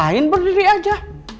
ngapain berdiri aja